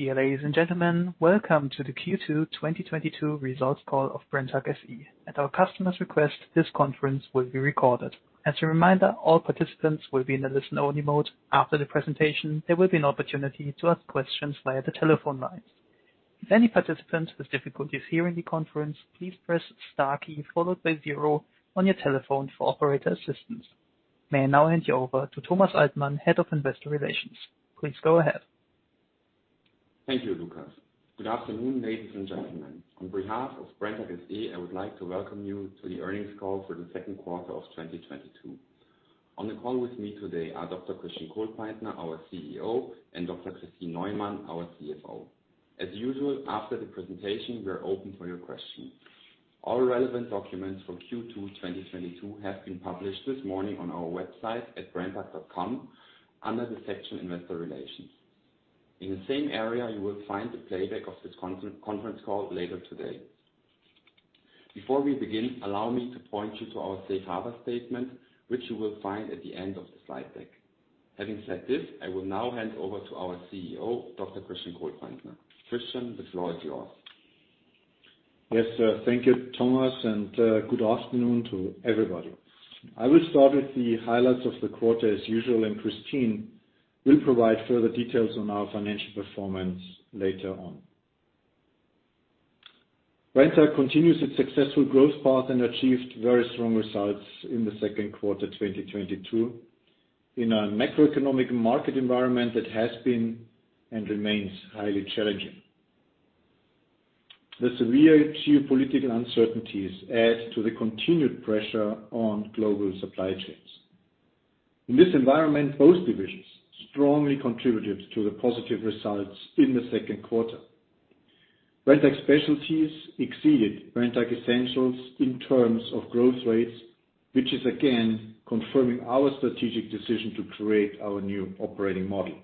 Dear ladies and gentlemen, welcome to the Q2 2022 results call of Brenntag SE. At our customer's request, this conference will be recorded. As a reminder, all participants will be in a listen-only mode. After the presentation, there will be an opportunity to ask questions via the telephone lines. If any participants with difficulties hearing the conference, please press star key followed by zero on your telephone for operator assistance. May I now hand you over to Thomas Altmann, Head of Investor Relations. Please go ahead. Thank you, Lucas. Good afternoon, ladies and gentlemen. On behalf of Brenntag SE, I would like to welcome you to the earnings call for the second quarter of 2022. On the call with me today are Dr. Christian Kohlpaintner, our CEO, and Dr. Kristin Neumann, our CFO. As usual, after the presentation, we are open for your questions. All relevant documents for Q2 2022 have been published this morning on our website at brenntag.com under the section Investor Relations. In the same area, you will find the playback of this conference call later today. Before we begin, allow me to point you to our safe harbor statement, which you will find at the end of the slide deck. Having said this, I will now hand over to our CEO, Dr. Christian Kohlpaintner. Christian, the floor is yours. Yes, thank you, Thomas, and good afternoon to everybody. I will start with the highlights of the quarter as usual, and Kristin will provide further details on our financial performance later on. Brenntag continues its successful growth path and achieved very strong results in the second quarter 2022 in a macroeconomic market environment that has been and remains highly challenging. The severe geopolitical uncertainties add to the continued pressure on global supply chains. In this environment, both divisions strongly contributed to the positive results in the second quarter. Brenntag Specialties exceeded Brenntag Essentials in terms of growth rates, which is again confirming our strategic decision to create our new operating model.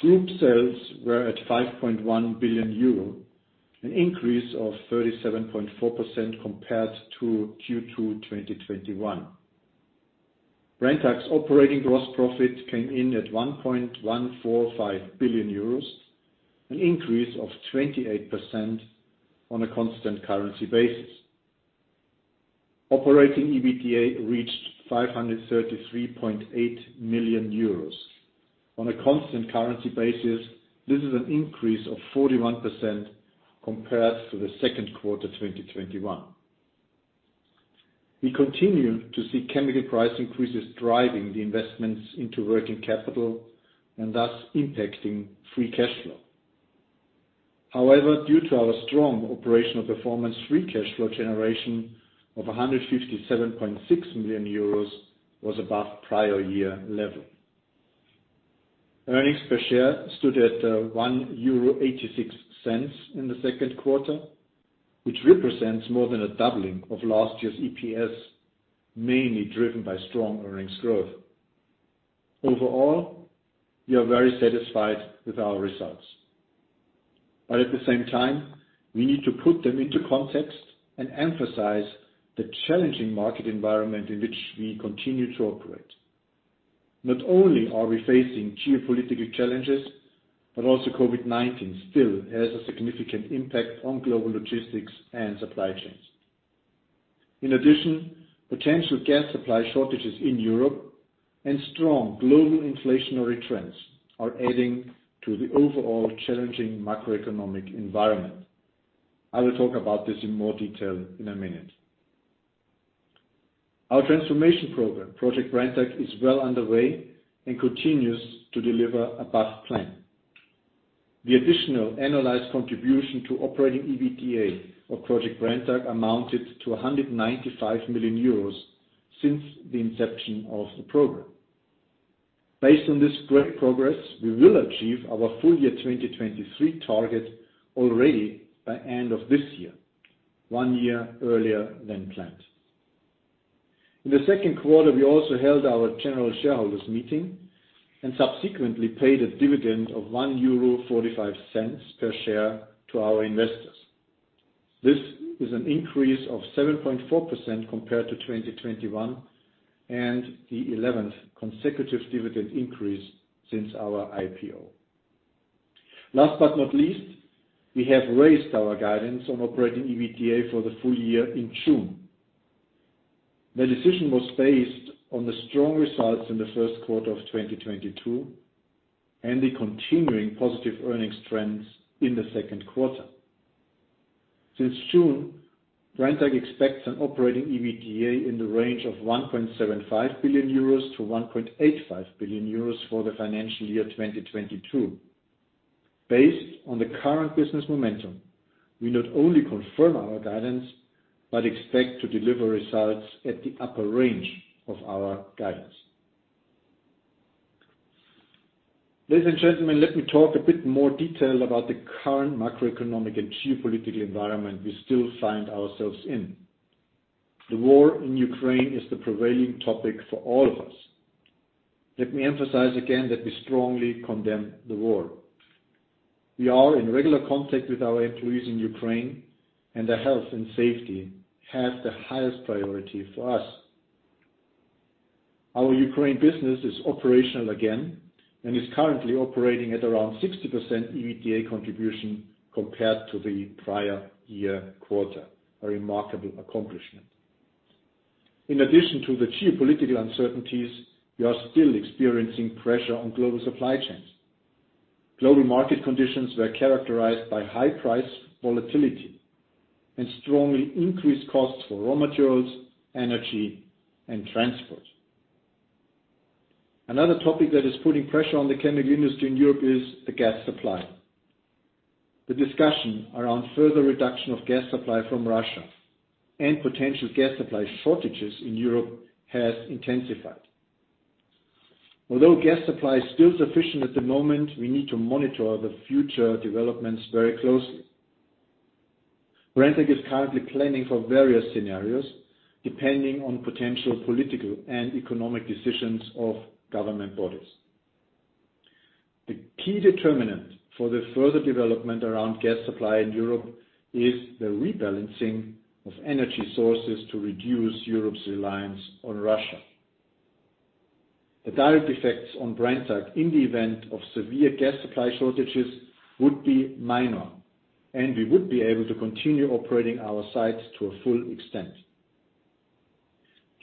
Group sales were at 5.1 billion euro, an increase of 37.4% compared to Q2 2021. Brenntag's operating gross profit came in at 1.145 billion euros, an increase of 28% on a constant currency basis. Operating EBITDA reached EUR 533.8 million. On a constant currency basis, this is an increase of 41% compared to the second quarter 2021. We continue to see chemical price increases driving the investments into working capital and thus impacting free cash flow. However, due to our strong operational performance, free cash flow generation of 157.6 million euros was above prior year level. Earnings per share stood at 1.86 euro in the second quarter, which represents more than a doubling of last year's EPS, mainly driven by strong earnings growth. Overall, we are very satisfied with our results. At the same time, we need to put them into context and emphasize the challenging market environment in which we continue to operate. Not only are we facing geopolitical challenges, but also COVID-19 still has a significant impact on global logistics and supply chains. In addition, potential gas supply shortages in Europe and strong global inflationary trends are adding to the overall challenging macroeconomic environment. I will talk about this in more detail in a minute. Our transformation program, Project Brenntag, is well underway and continues to deliver above plan. The additional annualized contribution to operating EBITDA of Project Brenntag amounted to 195 million euros since the inception of the program. Based on this great progress, we will achieve our full year 2023 target already by end of this year, one year earlier than planned. In the second quarter, we also held our general shareholders meeting and subsequently paid a dividend of 1.45 euro per share to our investors. This is an increase of 7.4% compared to 2021 and the eleventh consecutive dividend increase since our IPO. Last but not least, we have raised our guidance on operating EBITDA for the full year in June. The decision was based on the strong results in the first quarter of 2022 and the continuing positive earnings trends in the second quarter. Since June, Brenntag expects an operating EBITDA in the range of 1.75 billion-1.85 billion euros for the financial year 2022. Based on the current business momentum, we not only confirm our guidance, but expect to deliver results at the upper range of our guidance. Ladies and gentlemen, let me talk a bit more detail about the current macroeconomic and geopolitical environment we still find ourselves in. The war in Ukraine is the prevailing topic for all of us. Let me emphasize again that we strongly condemn the war. We are in regular contact with our employees in Ukraine, and their health and safety has the highest priority for us. Our Ukraine business is operational again and is currently operating at around 60% EBITDA contribution compared to the prior year quarter, a remarkable accomplishment. In addition to the geopolitical uncertainties, we are still experiencing pressure on global supply chains. Global market conditions were characterized by high price volatility and strongly increased costs for raw materials, energy, and transport. Another topic that is putting pressure on the chemical industry in Europe is the gas supply. The discussion around further reduction of gas supply from Russia and potential gas supply shortages in Europe has intensified. Although gas supply is still sufficient at the moment, we need to monitor the future developments very closely. Brenntag is currently planning for various scenarios, depending on potential political and economic decisions of government bodies. The key determinant for the further development around gas supply in Europe is the rebalancing of energy sources to reduce Europe's reliance on Russia. The direct effects on Brenntag in the event of severe gas supply shortages would be minor, and we would be able to continue operating our sites to a full extent.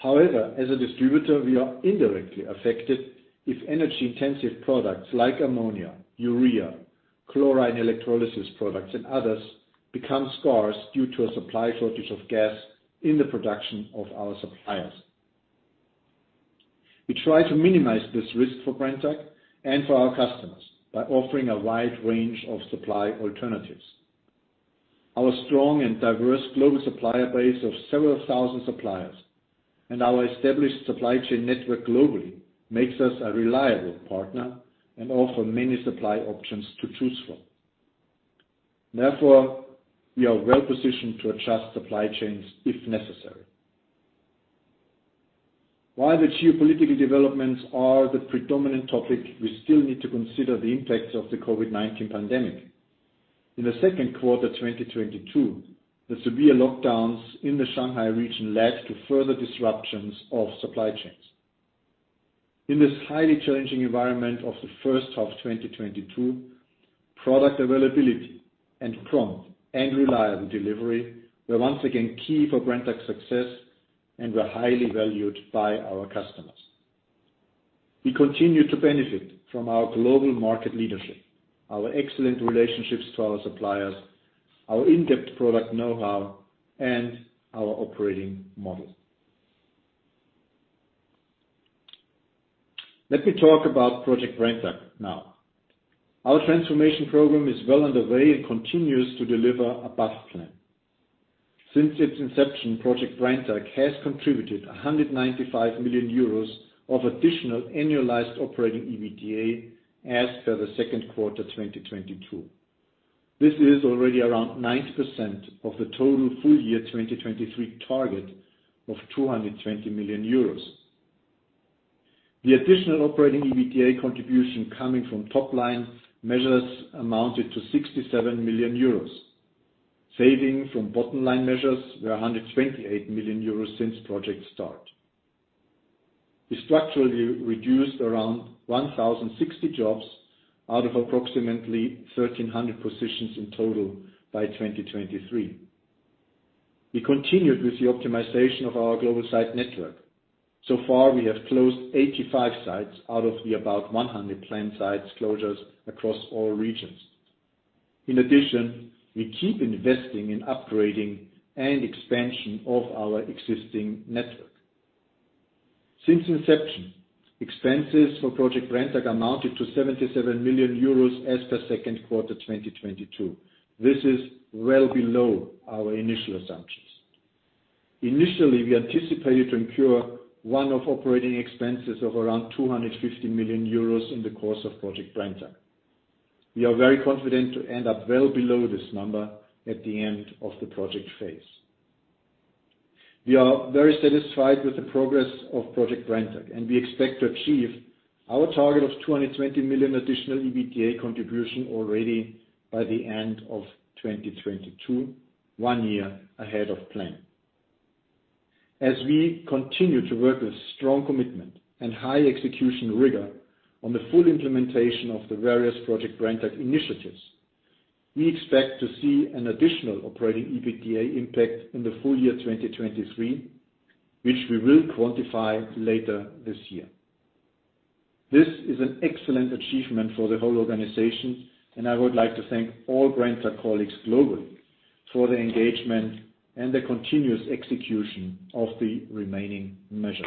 However, as a distributor, we are indirectly affected if energy-intensive products like ammonia, urea, chlorine electrolysis products, and others become scarce due to a supply shortage of gas in the production of our suppliers. We try to minimize this risk for Brenntag and for our customers by offering a wide range of supply alternatives. Our strong and diverse global supplier base of several thousand suppliers and our established supply chain network globally makes us a reliable partner and offer many supply options to choose from. Therefore, we are well-positioned to adjust supply chains if necessary. While the geopolitical developments are the predominant topic, we still need to consider the impacts of the COVID-19 pandemic. In the second quarter, 2022, the severe lockdowns in the Shanghai region led to further disruptions of supply chains. In this highly challenging environment of the first half 2022, product availability and prompt and reliable delivery were once again key for Brenntag's success and were highly valued by our customers. We continue to benefit from our global market leadership, our excellent relationships to our suppliers, our in-depth product know-how, and our operating model. Let me talk about Project Brenntag now. Our transformation program is well underway and continues to deliver above plan. Since its inception, Project Brenntag has contributed 195 million euros of additional annualized operating EBITDA as per the second quarter 2022. This is already around 90% of the total full year 2023 target of 220 million euros. The additional operating EBITDA contribution coming from top-line measures amounted to 67 million euros. Savings from bottom-line measures were 128 million euros since project start. We structurally reduced around 1,060 jobs out of approximately 1,300 positions in total by 2023. We continued with the optimization of our global site network. So far, we have closed 85 sites out of about 100 plant sites closures across all regions. In addition, we keep investing in upgrading and expansion of our existing network. Since inception, expenses for Project Brenntag amounted to 77 million euros as per Q2 2022. This is well below our initial assumptions. Initially, we anticipated to incur one-off operating expenses of around 250 million euros in the course of Project Brenntag. We are very confident to end up well below this number at the end of the project phase. We are very satisfied with the progress of Project Brenntag, and we expect to achieve our target of 220 million additional EBITA contribution already by the end of 2022, one year ahead of plan. As we continue to work with strong commitment and high execution rigor on the full implementation of the various Project Brenntag initiatives, we expect to see an additional operating EBITDA impact in the full year 2023, which we will quantify later this year. This is an excellent achievement for the whole organization, and I would like to thank all Brenntag colleagues globally for their engagement and the continuous execution of the remaining measures.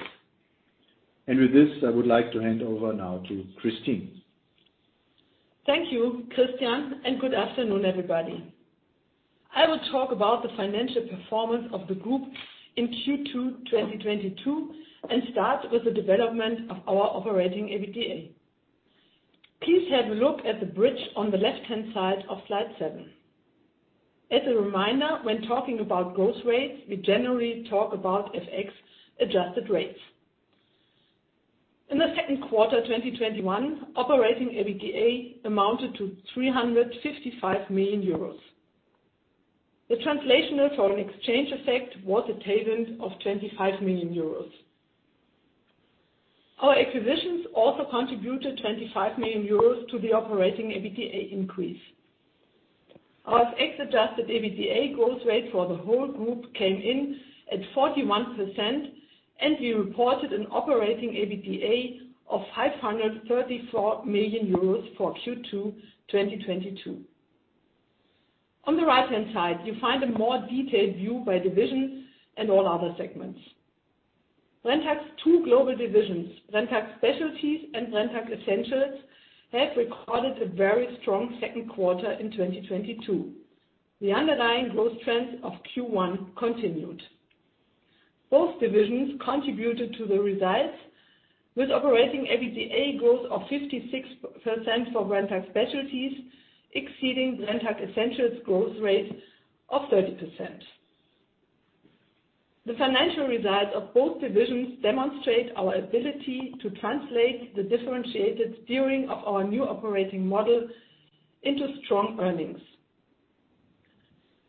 With this, I would like to hand over now to Kristin. Thank you, Christian, and good afternoon, everybody. I will talk about the financial performance of the group in Q2 2022 and start with the development of our operating EBITDA. Please have a look at the bridge on the left-hand side of slide seven. As a reminder, when talking about growth rates, we generally talk about FX-adjusted rates. In the second quarter 2021, operating EBITDA amounted to 355 million euros. The translational foreign exchange effect was a tailwind of 25 million euros. Our acquisitions also contributed 25 million euros to the operating EBITDA increase. Our FX-adjusted EBITDA growth rate for the whole group came in at 41%, and we reported an operating EBITDA of 534 million euros for Q2 2022. On the right-hand side, you find a more detailed view by divisions and all other segments. Brenntag's two global divisions, Brenntag Specialties and Brenntag Essentials, have recorded a very strong second quarter in 2022. The underlying growth trends of Q1 continued. Both divisions contributed to the results with operating EBITDA growth of 56% for Brenntag Specialties, exceeding Brenntag Essentials growth rate of 30%. The financial results of both divisions demonstrate our ability to translate the differentiated steering of our new operating model into strong earnings.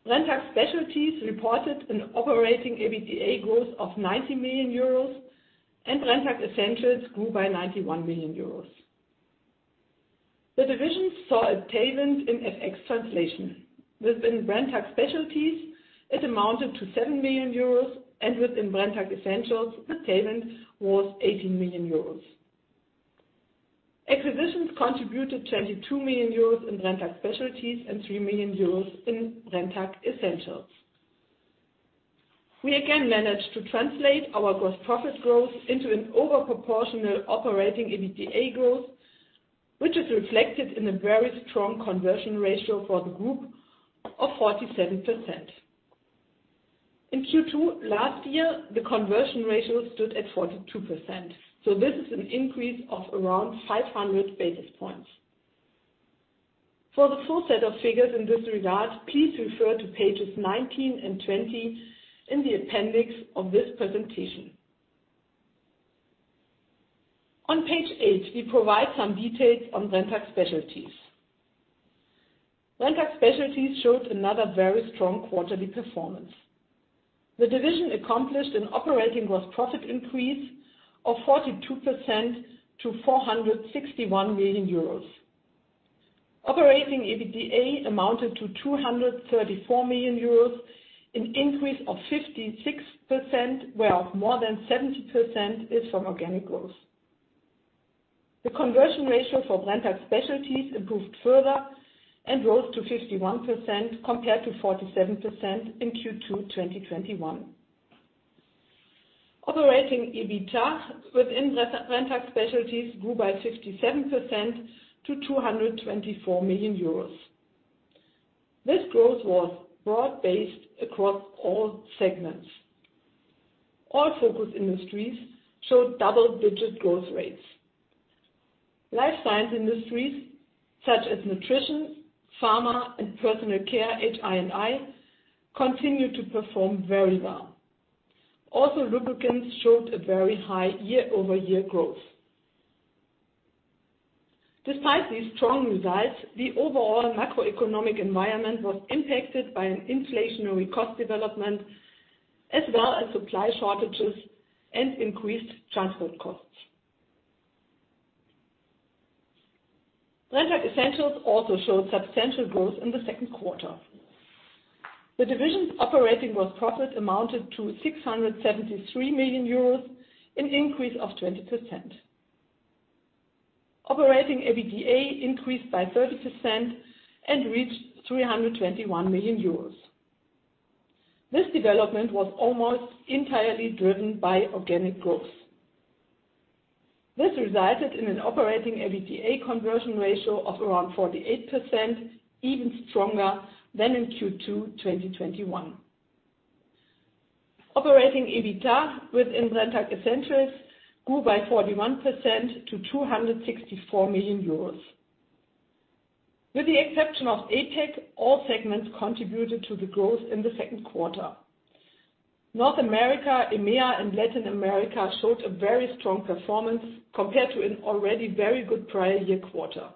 Brenntag Specialties reported an operating EBITDA growth of 90 million euros and Brenntag Essentials grew by 91 million euros. The divisions saw a tailwind in FX translation. Within Brenntag Specialties, it amounted to 7 million euros and within Brenntag Essentials, the tailwind was 18 million euros. Acquisitions contributed 22 million euros in Brenntag Specialties and 3 million euros in Brenntag Essentials. We again managed to translate our gross profit growth into an overproportional operating EBITDA growth, which is reflected in a very strong conversion ratio for the group of 47%. In Q2 last year, the conversion ratio stood at 42%, so this is an increase of around 500 basis points. For the full set of figures in this regard, please refer to pages 19 and 20 in the appendix of this presentation. On page eight, we provide some details on Brenntag Specialties. Brenntag Specialties showed another very strong quarterly performance. The division accomplished an operating gross profit increase of 42% to 461 million euros. Operating EBITDA amounted to 234 million euros, an increase of 56%, where more than 70% is from organic growth. The conversion ratio for Brenntag Specialties improved further and rose to 51% compared to 47% in Q2 2021. Operating EBITA within Brenntag Specialties grew by 67% to 224 million euros. This growth was broad-based across all segments. All focus industries showed double-digit growth rates. Life science industries such as nutrition, pharma, and personal care, HI&I, continue to perform very well. Also, lubricants showed a very high year-over-year growth. Despite these strong results, the overall macroeconomic environment was impacted by an inflationary cost development as well as supply shortages and increased transport costs. Brenntag Essentials also showed substantial growth in the second quarter. The division's operating gross profit amounted to 673 million euros, an increase of 20%. Operating EBITA increased by 30% and reached 321 million euros. This development was almost entirely driven by organic growth. This resulted in an operating EBITDA conversion ratio of around 48%, even stronger than in Q2 2021. Operating EBITA within Brenntag Essentials grew by 41% to 264 million euros. With the exception of APAC, all segments contributed to the growth in the second quarter. North America, EMEA, and Latin America showed a very strong performance compared to an already very good prior year quarter.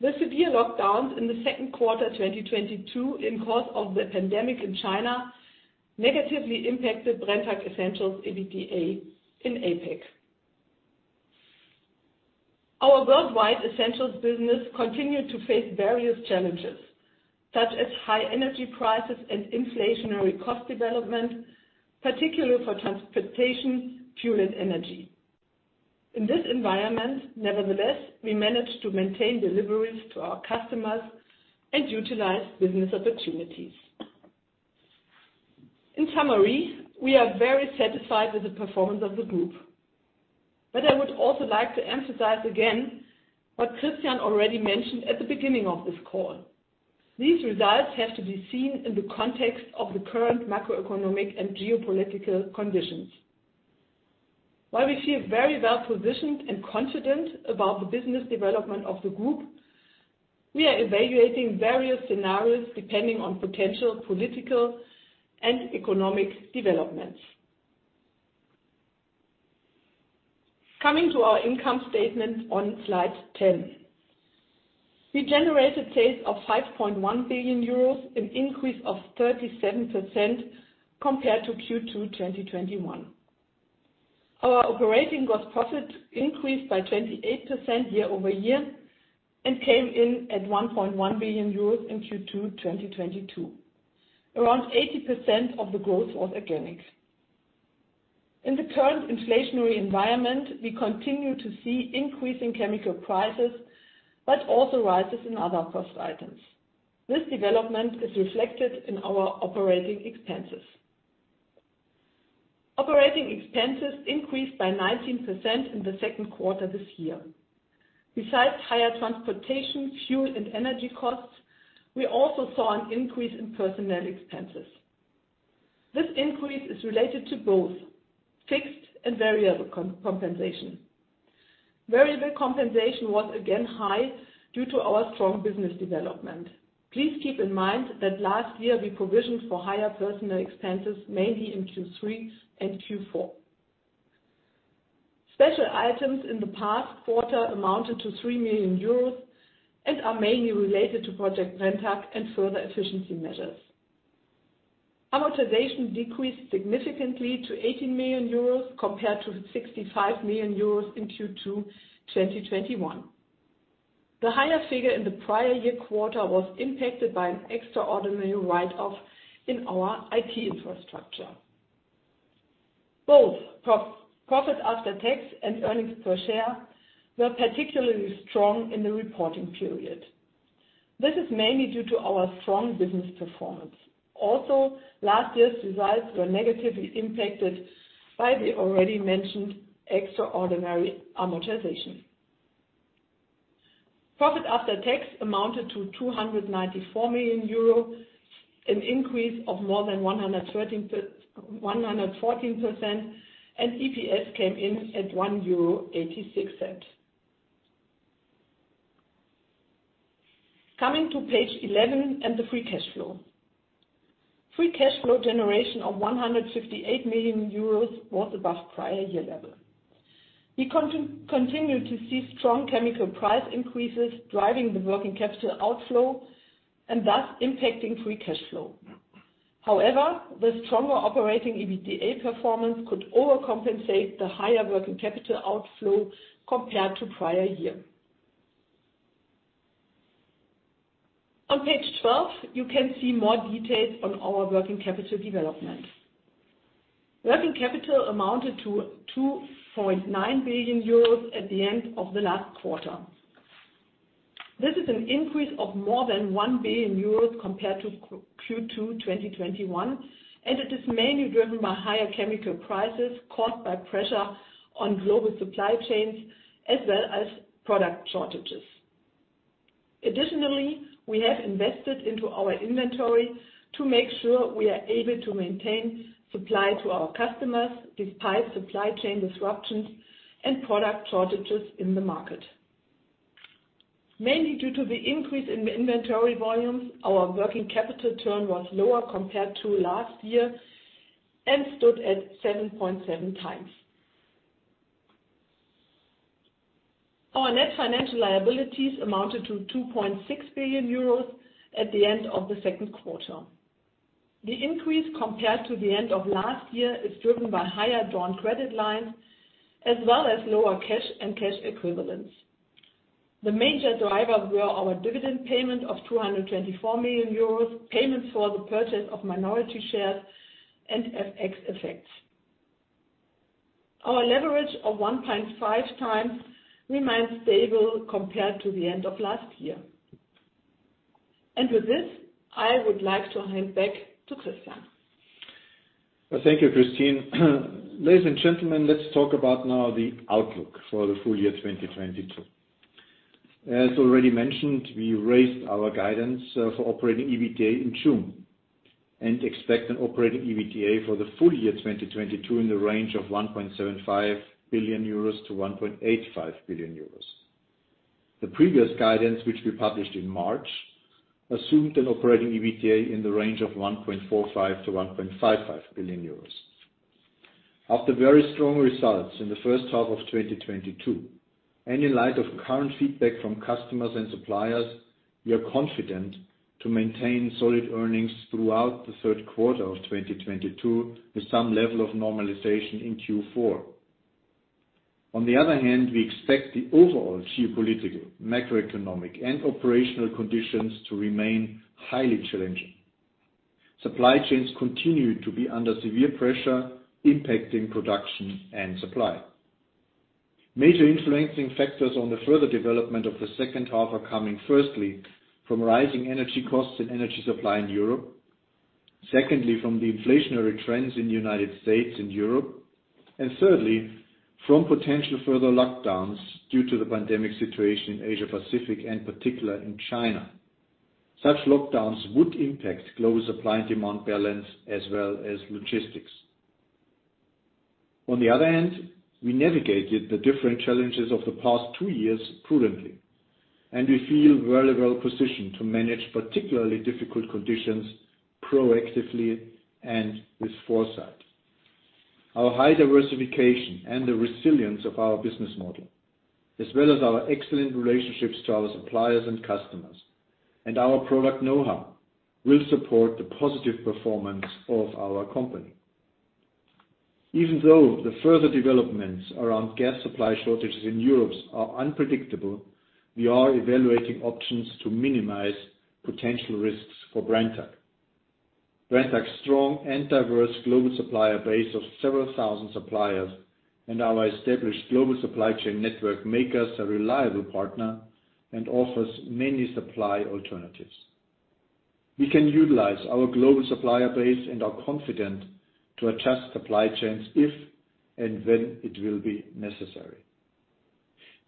The severe lockdowns in the second quarter 2022 in course of the pandemic in China negatively impacted Brenntag Essentials EBITDA in APAC. Our worldwide Essentials business continued to face various challenges, such as high energy prices and inflationary cost development, particularly for transportation, fuel, and energy. In this environment, nevertheless, we managed to maintain deliveries to our customers and utilize business opportunities. In summary, we are very satisfied with the performance of the group. I would also like to emphasize again what Christian already mentioned at the beginning of this call. These results have to be seen in the context of the current macroeconomic and geopolitical conditions. While we feel very well-positioned and confident about the business development of the group. We are evaluating various scenarios depending on potential political and economic developments. Coming to our income statement on slide 10. We generated sales of 5.1 billion euros, an increase of 37% compared to Q2 2021. Our operating gross profit increased by 28% year-over-year, and came in at 1.1 billion euros in Q2 2022. Around 80% of the growth was organic. In the current inflationary environment, we continue to see increase in chemical prices, but also rises in other cost items. This development is reflected in our operating expenses. Operating expenses increased by 19% in the second quarter this year. Besides higher transportation, fuel and energy costs, we also saw an increase in personnel expenses. This increase is related to both fixed and variable compensation. Variable compensation was again high due to our strong business development. Please keep in mind that last year we provisioned for higher personnel expenses, mainly in Q3 and Q4. Special items in the past quarter amounted to 3 million euros, and are mainly related to Project Brenntag and further efficiency measures. Amortization decreased significantly to 18 million euros compared to 65 million euros in Q2 2021. The higher figure in the prior year quarter was impacted by an extraordinary write-off in our IT infrastructure. Both profit after tax and earnings per share were particularly strong in the reporting period. This is mainly due to our strong business performance. Also, last year's results were negatively impacted by the already mentioned extraordinary amortization. Profit after tax amounted to 294 million euro, an increase of more than 113%-114%, and EPS came in at 1.86 euro. Coming to page eleven and the free cash flow. Free cash flow generation of 158 million euros was above prior year level. We continue to see strong chemical price increases driving the working capital outflow and thus impacting free cash flow. However, the stronger operating EBITDA performance could overcompensate the higher working capital outflow compared to prior year. On page twelve, you can see more details on our working capital development. Working capital amounted to 2.9 billion euros at the end of the last quarter. This is an increase of more than 1 billion euros compared to Q2 2021, and it is mainly driven by higher chemical prices caused by pressure on global supply chains as well as product shortages. Additionally, we have invested into our inventory to make sure we are able to maintain supply to our customers despite supply chain disruptions and product shortages in the market. Mainly due to the increase in inventory volumes, our working capital turn was lower compared to last year, and stood at 7.7x. Our net financial liabilities amounted to 2.6 billion euros at the end of the second quarter. The increase compared to the end of last year is driven by higher drawn credit lines as well as lower cash and cash equivalents. The major drivers were our dividend payment of 224 million euros, payments for the purchase of minority shares, and FX effects. Our leverage of 1.5x remained stable compared to the end of last year. With this, I would like to hand back to Christian. Thank you, Kristin. Ladies and gentlemen, let's talk about now the outlook for the full year 2022. As already mentioned, we raised our guidance for operating EBITDA in June, and expect an operating EBITDA for the full year 2022 in the range of 1.75 billion-1.85 billion euros. The previous guidance, which we published in March, assumed an operating EBITDA in the range of 1.45 billion-1.55 billion euros. After very strong results in the first half of 2022, and in light of current feedback from customers and suppliers, we are confident to maintain solid earnings throughout the third quarter of 2022 with some level of normalization in Q4. On the other hand, we expect the overall geopolitical, macroeconomic, and operational conditions to remain highly challenging. Supply chains continue to be under severe pressure, impacting production and supply. Major influencing factors on the further development of the second half are coming, firstly, from rising energy costs and energy supply in Europe. Secondly, from the inflationary trends in the United States and Europe. Thirdly, from potential further lockdowns due to the pandemic situation in Asia-Pacific, and particularly in China. Such lockdowns would impact global supply and demand balance as well as logistics. On the other hand, we navigated the different challenges of the past two years prudently, and we feel very well positioned to manage particularly difficult conditions proactively and with foresight. Our high diversification and the resilience of our business model, as well as our excellent relationships to our suppliers and customers and our product know-how, will support the positive performance of our company. Even though the further developments around gas supply shortages in Europe are unpredictable, we are evaluating options to minimize potential risks for Brenntag. Brenntag's strong and diverse global supplier base of several thousand suppliers and our established global supply chain network make us a reliable partner and offers many supply alternatives. We can utilize our global supplier base and are confident to adjust supply chains if and when it will be necessary.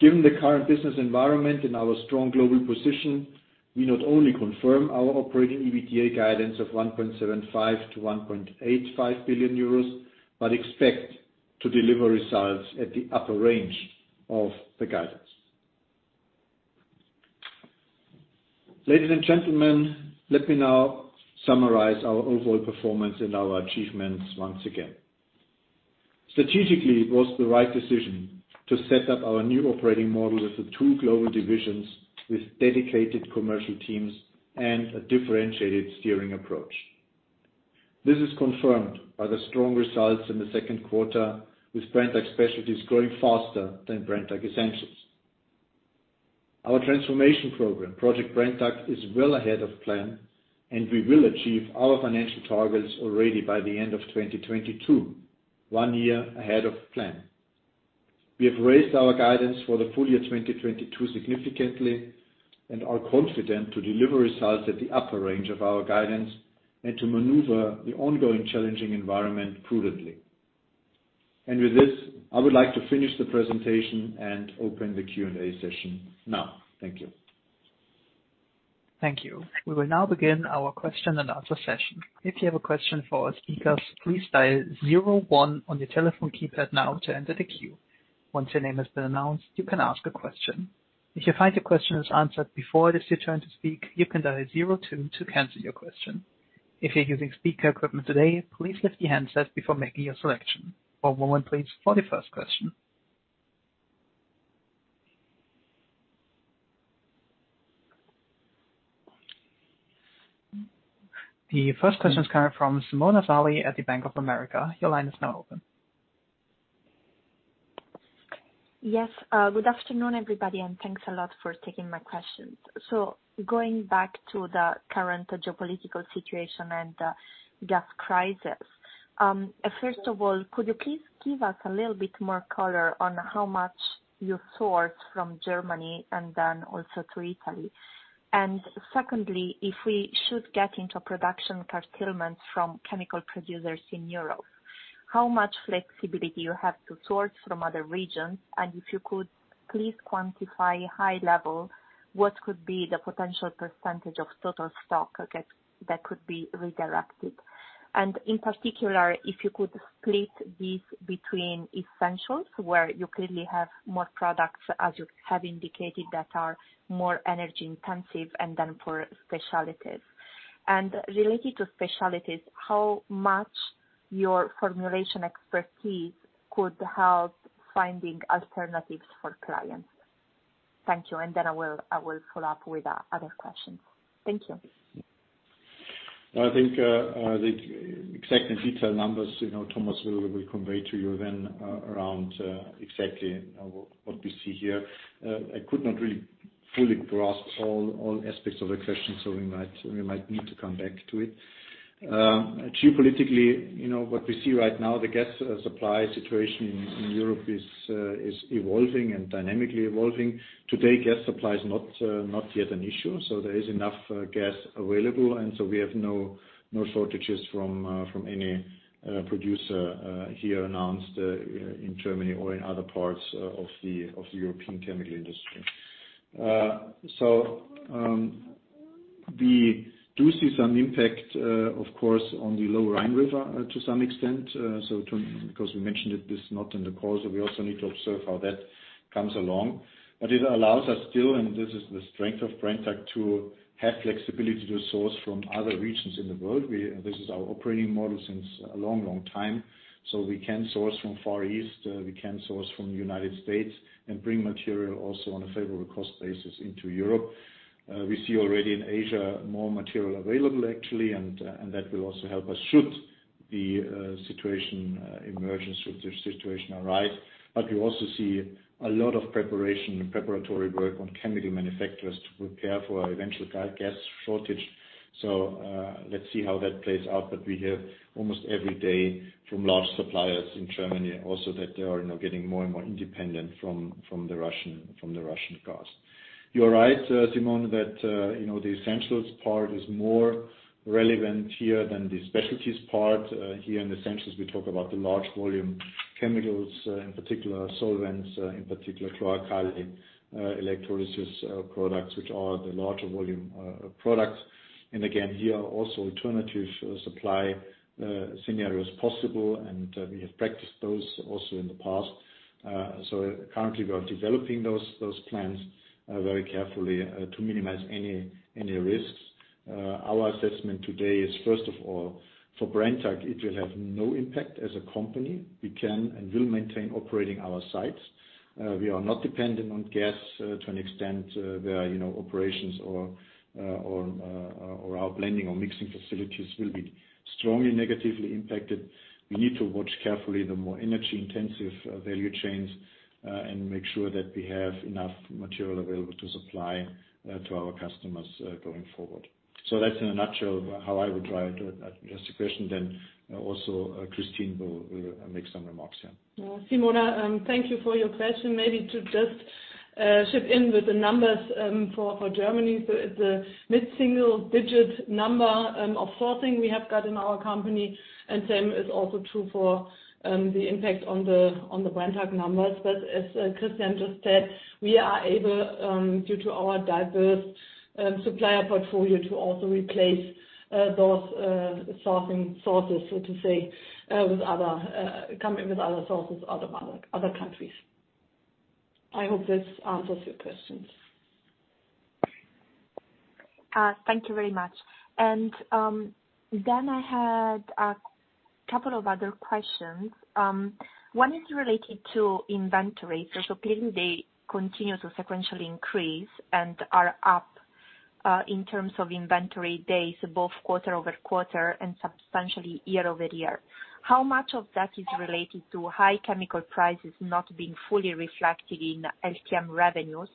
Given the current business environment and our strong global position, we not only confirm our operating EBITDA guidance of 1.75 billion-1.85 billion euros, but expect to deliver results at the upper range of the guidance. Ladies and gentlemen, let me now summarize our overall performance and our achievements once again. Strategically, it was the right decision to set up our new operating model with the two global divisions, with dedicated commercial teams and a differentiated steering approach. This is confirmed by the strong results in the second quarter, with Brenntag Specialties growing faster than Brenntag Essentials. Our transformation program, Project Brenntag, is well ahead of plan, and we will achieve our financial targets already by the end of 2022, one year ahead of plan. We have raised our guidance for the full year 2022 significantly and are confident to deliver results at the upper range of our guidance and to maneuver the ongoing challenging environment prudently. With this, I would like to finish the presentation and open the Q&A session now. Thank you. Thank you. We will now begin our question and answer session. If you have a question for our speakers, please dial zero one on your telephone keypad now to enter the queue. Once your name has been announced, you can ask a question. If you find your question is answered before it is your turn to speak, you can dial zero two to cancel your question. If you're using speaker equipment today, please lift the handset before making your selection. One moment please for the first question. The first question is coming from Simona Sarli at Bank of America. Your line is now open. Yes. Good afternoon, everybody, and thanks a lot for taking my questions. Going back to the current geopolitical situation and gas crisis, first of all, could you please give us a little bit more color on how much you source from Germany and then also to Italy? And secondly, if we should get into production curtailments from chemical producers in Europe, how much flexibility you have to source from other regions? And if you could please quantify high level, what could be the potential percentage of total stock that could be redirected? And in particular, if you could split this between essentials, where you clearly have more products, as you have indicated, that are more energy-intensive and then for specialties. Related to specialties, how much your formulation expertise could help finding alternatives for clients? Thank you. I will follow up with other questions. Thank you. I think, the exact and detailed numbers, you know, Thomas will convey to you then, around exactly what we see here. I could not really fully grasp all aspects of the question, so we might need to come back to it. Geopolitically, you know, what we see right now, the gas supply situation in Europe is evolving and dynamically evolving. Today, gas supply is not yet an issue, so there is enough gas available and so we have no shortages from any producer here in Germany or in other parts of the European chemical industry. We do see some impact, of course, on the Lower Rhine River, to some extent. Because we mentioned it, this is not in the call, so we also need to observe how that comes along. It allows us still, and this is the strength of Brenntag, to have flexibility to source from other regions in the world. This is our operating model since a long, long time. We can source from Far East, we can source from United States and bring material also on a favorable cost basis into Europe. We see already in Asia more material available actually and that will also help us should the situation's emergence of this situation arise. We also see a lot of preparation and preparatory work on chemical manufacturers to prepare for eventual gas shortage. Let's see how that plays out. We hear almost every day from large suppliers in Germany also that they are now getting more and more independent from the Russian gas. You are right, Suhasini, that, you know, the essentials part is more relevant here than the specialties part. Here in essentials, we talk about the large volume chemicals, in particular solvents, in particular caustic alkali, electrolysis products, which are the larger volume products. Again, here also alternative supply scenarios possible, and we have practiced those also in the past. Currently we are developing those plans very carefully to minimize any risks. Our assessment today is, first of all, for Brenntag it will have no impact as a company. We can and will maintain operating our sites. We are not dependent on gas to an extent where, you know, operations or our blending or mixing facilities will be strongly negatively impacted. We need to watch carefully the more energy-intensive value chains and make sure that we have enough material available to supply to our customers going forward. That's in a nutshell how I would try to address the question then. Also, Kristin will make some remarks. Yeah. Simona, thank you for your question. Maybe to just chip in with the numbers for Germany. The mid-single digit number of sourcing we have got in our company, and same is also true for the impact on the Brenntag numbers. As Christian just said, we are able due to our diverse supplier portfolio to also replace those sourcing sources, so to say, with other sources from other countries. I hope this answers your questions. Thank you very much. Then I had a couple of other questions. One is related to inventory. Clearly they continue to sequentially increase and are up in terms of inventory days above quarter-over-quarter and substantially year-over-year. How much of that is related to high chemical prices not being fully reflected in LCM revenues?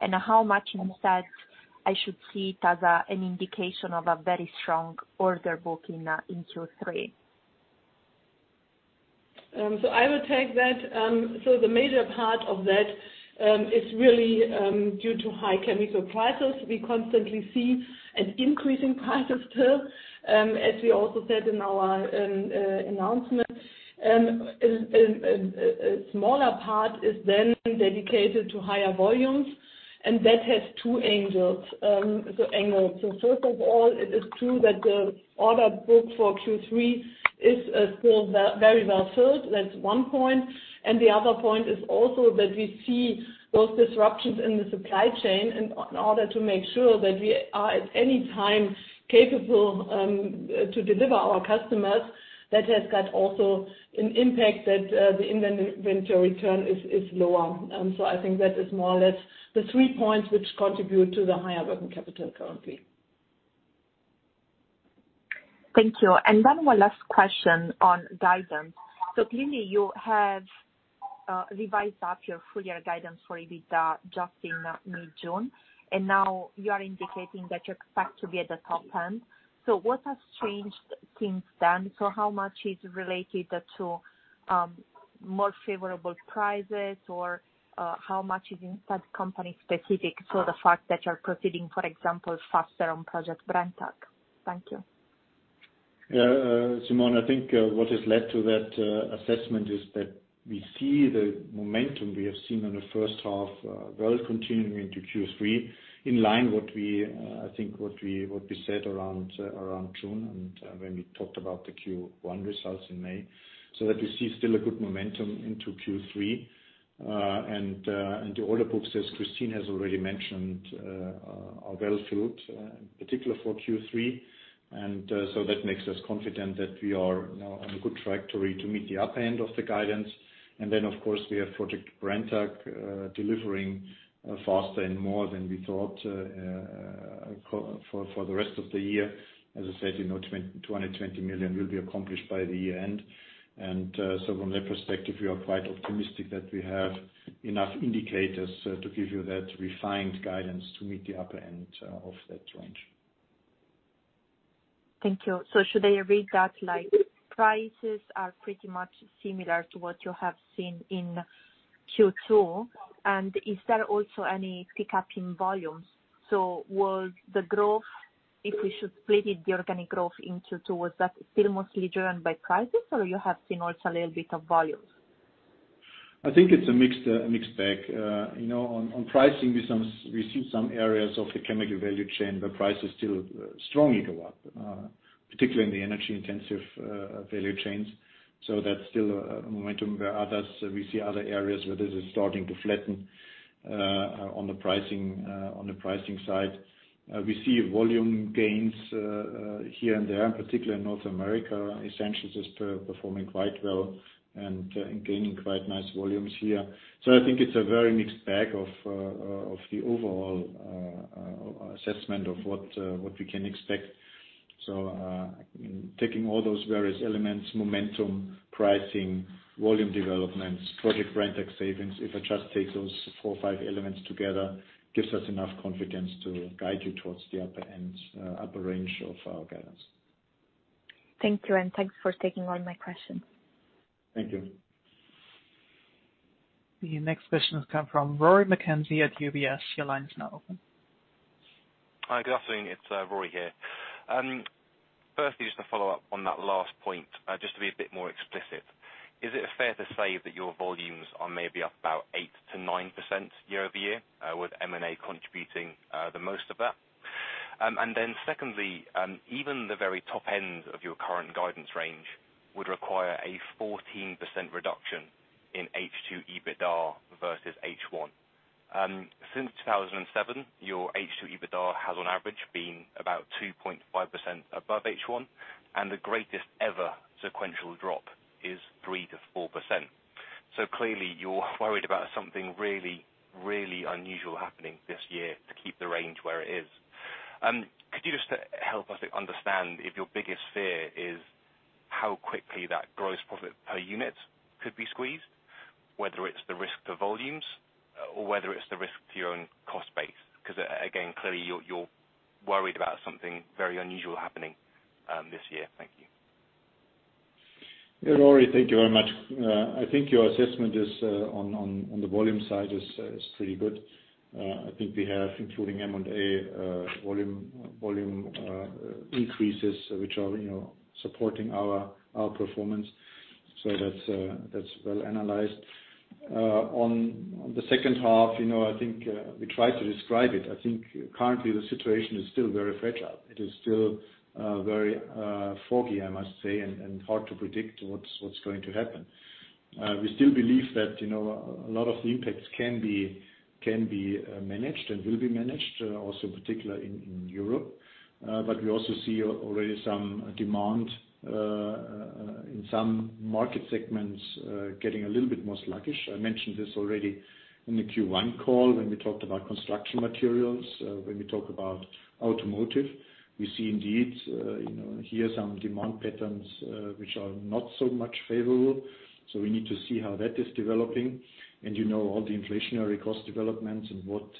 And how much of that I should see it as an indication of a very strong order book in Q3? I would take that. The major part of that is really due to high chemical prices. We constantly see an increase in prices still, as we also said in our announcement. A smaller part is then dedicated to higher volumes, and that has two angles. First of all, it is true that the order book for Q3 is still very well filled. That's one point. The other point is also that we see those disruptions in the supply chain and in order to make sure that we are at any time capable to deliver our customers, that has got also an impact that the inventory turn is lower. I think that is more or less the three points which contribute to the higher working capital currently. Thank you. My last question on guidance. Clearly you have revised up your full year guidance for EBITDA just in mid-June, and now you are indicating that you expect to be at the top end. What has changed since then? How much is related to more favorable prices or how much is company-specific? The fact that you're proceeding, for example, faster on Project Brenntag. Thank you. Yeah, Simona, I think what has led to that assessment is that we see the momentum we have seen in the first half, well continuing into Q3, in line what we said around June and when we talked about the Q1 results in May. That we see still a good momentum into Q3. The order books, as Kristin has already mentioned, are well filled, in particular for Q3. That makes us confident that we are now on a good trajectory to meet the upper end of the guidance. Of course we have Project Brenntag delivering faster and more than we thought for the rest of the year. As I said, you know, 20 million will be accomplished by the end. From that perspective, we are quite optimistic that we have enough indicators to give you that refined guidance to meet the upper end of that range. Thank you. Should I read that like prices are pretty much similar to what you have seen in Q2? Is there also any pickup in volumes? Was the growth, if we should split it, the organic growth in Q2, was that still mostly driven by prices or you have seen also a little bit of volumes? I think it's a mixed bag. You know, on pricing, we see some areas of the chemical value chain, prices are still strongly going up, particularly in the energy-intensive value chains. That's still momentum where others we see other areas where this is starting to flatten on the pricing side. We see volume gains here and there, in particular in North America. Essentials is performing quite well and gaining quite nice volumes here. I think it's a very mixed bag of the overall assessment of what we can expect. Taking all those various elements, momentum, pricing, volume developments, Project Brenntag savings, if I just take those four, five elements together, gives us enough confidence to guide you towards the upper end, upper range of our guidance. Thank you, and thanks for taking all my questions. Thank you. The next question has come from Rory McKenzie at UBS. Your line is now open. Hi, good afternoon. It's Rory here. Firstly, just to follow up on that last point, just to be a bit more explicit. Is it fair to say that your volumes are maybe up about 8%-9% year-over-year, with M&A contributing the most of that? Secondly, even the very top end of your current guidance range would require a 14% reduction in H2 EBITDA versus H1. Since 2007, your H2 EBITDA has on average been about 2.5% above H1 and the greatest ever sequential drop is 3%-4%. Clearly you're worried about something really, really unusual happening this year to keep the range where it is. Could you just help us understand if your biggest fear is how quickly that gross profit per unit could be squeezed, whether it's the risk to volumes or whether it's the risk to your own cost base? Cause, clearly you're worried about something very unusual happening this year. Thank you. Yeah, Rory, thank you very much. I think your assessment is on the volume side pretty good. I think we have including M&A volume increases which are, you know, supporting our performance. That's well analyzed. On the second half, you know, I think we tried to describe it. I think currently the situation is still very fragile. It is still very foggy, I must say, and hard to predict what's going to happen. We still believe that, you know, a lot of the impacts can be managed and will be managed also particularly in Europe. We also see already some demand in some market segments getting a little bit more sluggish. I mentioned this already in the Q1 call when we talked about construction materials. When we talk about automotive, we see indeed, you know, here some demand patterns, which are not so much favorable. We need to see how that is developing. You know, all the inflationary cost developments and what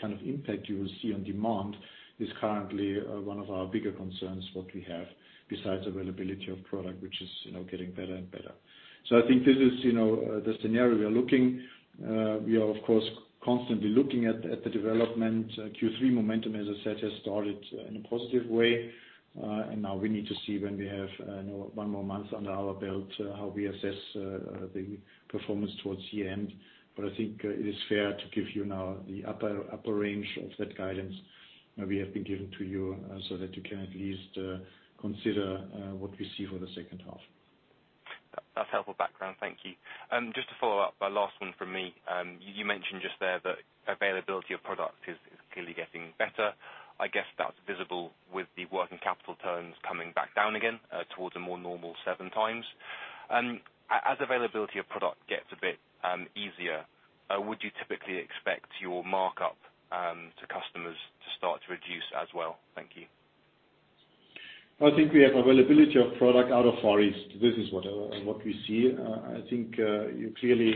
kind of impact you will see on demand is currently one of our bigger concerns, what we have besides availability of product, which is, you know, getting better and better. I think this is, you know, the scenario we are looking. We are of course constantly looking at the development. Q3 momentum, as I said, has started in a positive way. Now we need to see when we have, you know, one more month under our belt, how we assess the performance towards the end. I think it is fair to give you now the upper range of that guidance we have been giving to you, so that you can at least consider what we see for the second half. That's helpful background. Thank you. Just to follow up, a last one from me. You mentioned just there that availability of product is clearly getting better. I guess that's visible with the working capital turnover coming back down again towards a more normal 7x. As availability of product gets a bit easier, would you typically expect your markup to customers to start to reduce as well? Thank you. I think we have availability of product out of Far East. This is what we see. I think you clearly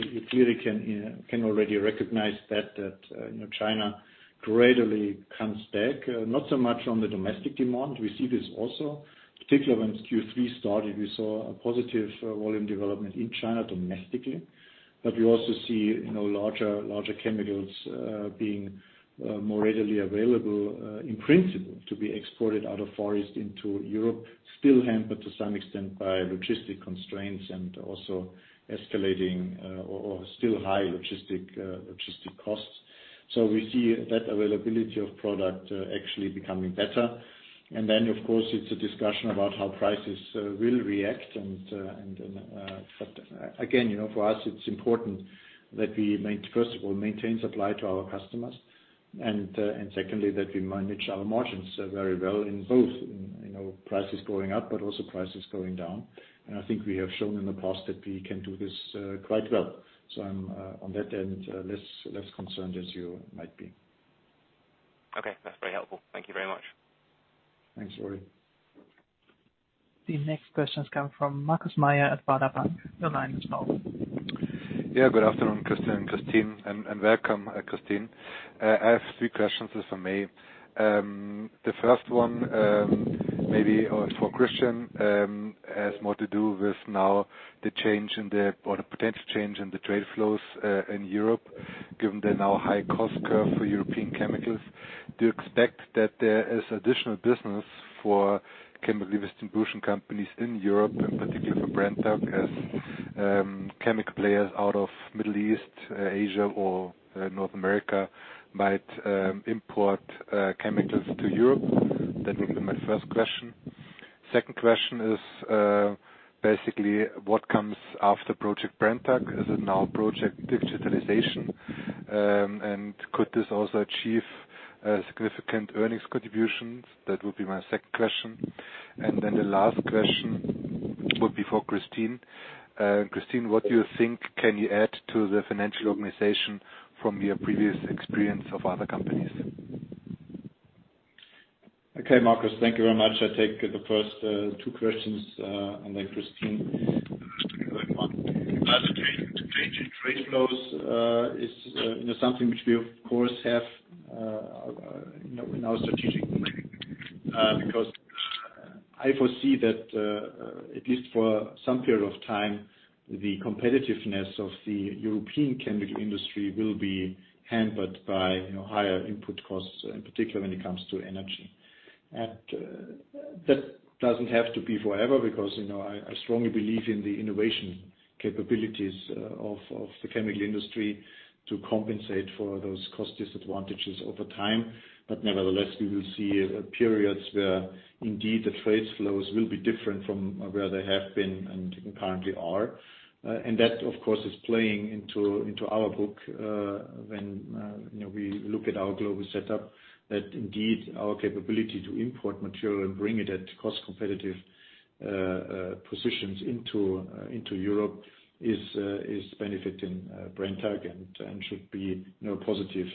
can already recognize that you know China gradually comes back not so much on the domestic demand. We see this also. Particularly when Q3 started, we saw a positive volume development in China domestically. We also see you know larger chemicals being more readily available in principle to be exported out of Far East into Europe, still hampered to some extent by logistic constraints and also escalating or still high logistic costs. We see that availability of product actually becoming better. Of course, it's a discussion about how prices will react. Again, you know, for us it's important that we first of all maintain supply to our customers, and secondly that we manage our margins very well in both, you know, prices going up, but also prices going down. I think we have shown in the past that we can do this quite well. I'm on that end less concerned as you might be. Okay. That's very helpful. Thank you very much. Thanks, Rory. The next question is coming from Markus Mayer at Baader Bank. Your line is open. Good afternoon, Christian and Kristin, and welcome, Kristin. I have three questions if I may. The first one maybe it is for Christian has more to do with now the potential change in the trade flows in Europe, given the now high cost curve for European chemicals. Do you expect that there is additional business for chemical distribution companies in Europe, and particularly for Brenntag as chemical players out of Middle East, Asia or North America might import chemicals to Europe? That would be my first question. Second question is basically what comes after Project Brenntag? Is it now project digitalization? And could this also achieve significant earnings contributions? That would be my second question. The last question would be for Kristin. Kristin, what do you think can you add to the financial organization from your previous experience of other companies? Okay, Markus, thank you very much. I'll take the first two questions, and then Kristin, the third one. The change in trade flows is, you know, something which we of course have, you know, in our strategic planning. Because I foresee that, at least for some period of time, the competitiveness of the European chemical industry will be hampered by, you know, higher input costs, in particular when it comes to energy. That doesn't have to be forever because, you know, I strongly believe in the innovation capabilities of the chemical industry to compensate for those cost disadvantages over time. Nevertheless, we will see periods where indeed the trade flows will be different from where they have been and currently are. That, of course, is playing into our book, when, you know, we look at our global setup, that indeed our capability to import material and bring it at cost competitive positions into Europe is benefiting Brenntag and should be, you know, positive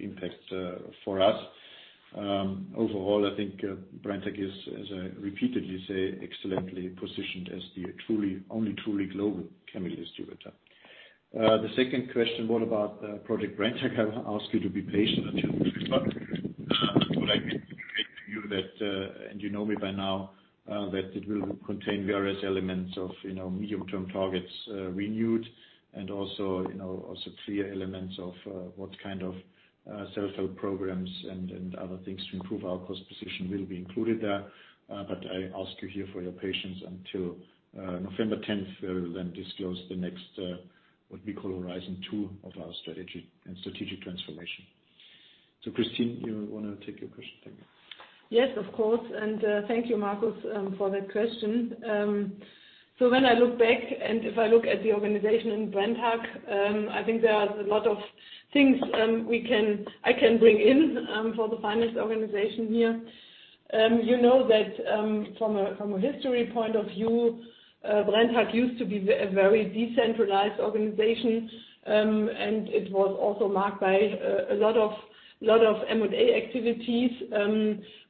impact for us. Overall, I think, Brenntag is, as I repeatedly say, excellently positioned as the only truly global chemical distributor. The second question, what about Project Brenntag? I'll ask you to be patient until November. What I can say to you that, and you know me by now, that it will contain various elements of, you know, medium-term targets, renewed and also, you know, also clear elements of, what kind of, self-help programs and other things to improve our cost position will be included there. I ask you here for your patience until November tenth, we'll then disclose the next, what we call Horizon 2 of our strategy and strategic transformation. Kristin, you wanna take your question? Thank you. Yes, of course. Thank you, Markus, for that question. When I look back, and if I look at the organization in Brenntag, I think there is a lot of things I can bring in for the finance organization here. You know that, from a history point of view, Brenntag used to be a very decentralized organization, and it was also marked by a lot of M&A activities,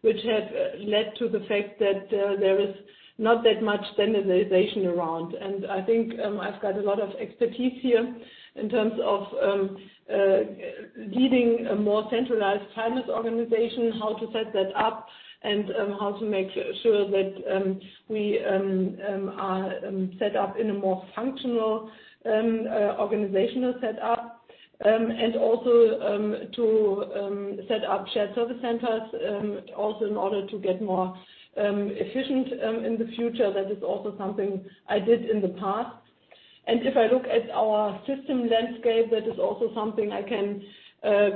which had led to the fact that there is not that much standardization around. I think I've got a lot of expertise here in terms of leading a more centralized finance organization, how to set that up, and how to make sure that we are set up in a more functional organizational set up. To set up shared service centers also in order to get more efficient in the future. That is also something I did in the past. If I look at our system landscape, that is also something I can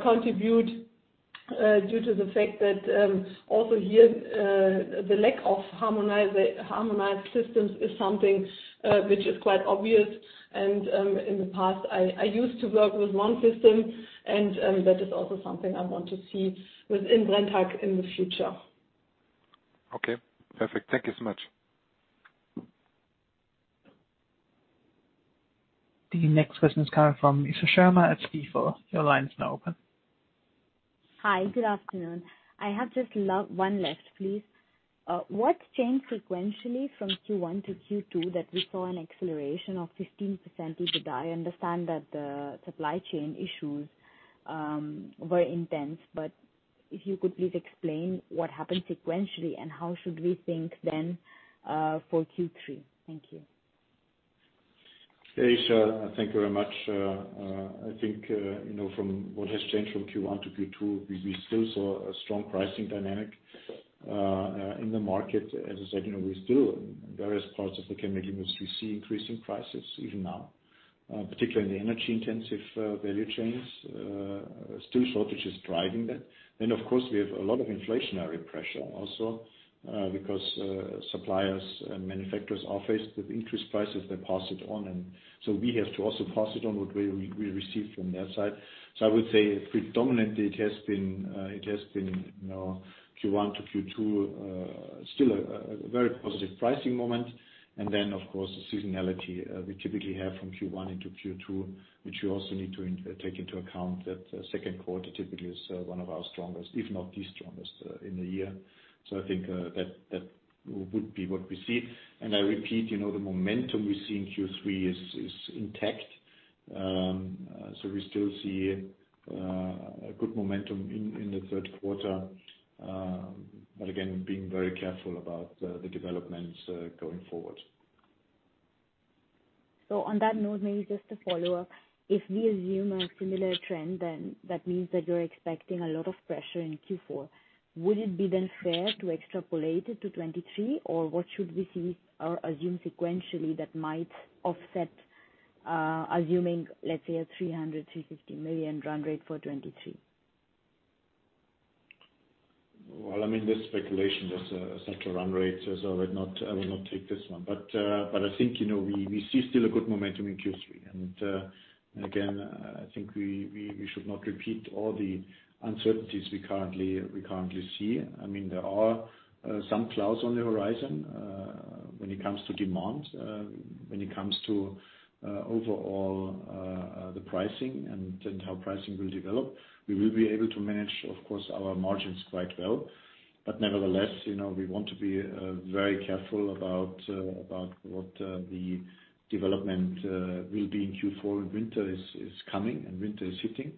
contribute due to the fact that also here the lack of harmonized systems is something which is quite obvious. In the past, I used to work with one system, and that is also something I want to see within Brenntag in the future. Okay, perfect. Thank you so much. The next question is coming from Isha Sharma at Stifel. Your line is now open. Hi. Good afternoon. I have just one left, please. What changed sequentially from Q1 to Q2 that we saw an acceleration of 15% EBITDA? I understand that the supply chain issues were intense, but if you could please explain what happened sequentially and how should we think then for Q3? Thank you. Hey, Isha. Thank you very much. I think, you know, from what has changed from Q1 to Q2, we still saw a strong pricing dynamic in the market. As I said, you know, we still in various parts of the chemical industry see increasing prices even now, particularly in the energy-intensive value chains. Still shortages driving that. Of course, we have a lot of inflationary pressure also, because suppliers and manufacturers are faced with increased prices, they pass it on. We have to also pass it on what we receive from their side. I would say predominantly it has been, you know, Q1 to Q2, still a very positive pricing moment. Of course, the seasonality we typically have from Q1 into Q2, which you also need to take into account that second quarter typically is one of our strongest, if not the strongest, in the year. I think that would be what we see. I repeat, you know, the momentum we see in Q3 is intact. We still see a good momentum in the third quarter, but again, being very careful about the developments going forward. On that note, maybe just a follow-up. If we assume a similar trend, then that means that you're expecting a lot of pressure in Q4. Would it be then fair to extrapolate it to 2023, or what should we see or assume sequentially that might offset, assuming, let's say, a 300 million-350 million run rate for 2023? Well, I mean, this is speculation. There's such a run rate, so I would not, I will not take this one. I think, you know, we see still a good momentum in Q3. Again, I think we should not repeat all the uncertainties we currently see. I mean, there are some clouds on the horizon when it comes to demand, when it comes to overall the pricing and how pricing will develop. We will be able to manage, of course, our margins quite well. Nevertheless, you know, we want to be very careful about what the development will be in Q4. Winter is coming and winter is hitting.